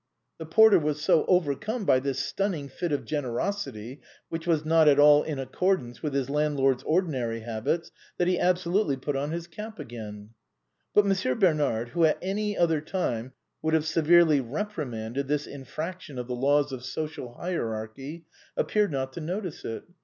The porter was so overcome by this stunning fit of generosity, which was not at all in accordance with his 10 THE BOHEMIANS OF THE LATIN QUARTER. landlord's ordinary habits, that he absolutely put on his cap again. But Monsieur Bernard, who at any other time would have severely reprimanded this infraction of the laws of social hierarchy, appeared not to notice it.